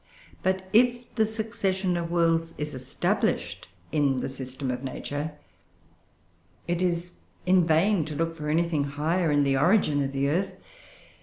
But if the succession of worlds is established in the system of nature, it is in vain to look for anything higher in the origin of the earth.